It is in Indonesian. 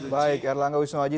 baik erlangga wisnuwaji